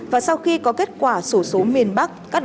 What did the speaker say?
và sau khi có kết quả sổ số miền bắc